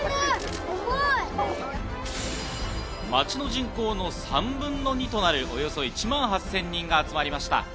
町の人口の３分の２となるおよそ１万８０００人が集まりました。